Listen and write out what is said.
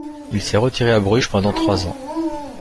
Il s'est retiré à Bruges pendant trois ans.